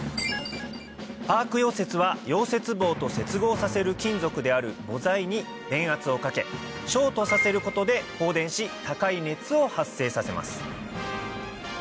アーク溶接は溶接棒と接合させる金属である母材に電圧をかけショートさせることで放電し高い熱を発生させます